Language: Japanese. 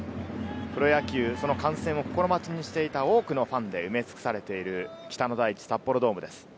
プロ野球、その観戦を心待ちにしていた多くのファンで埋め尽くされている北の大地、札幌ドームです。